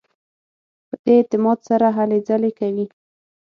په دې اعتماد سره هلې ځلې کوي.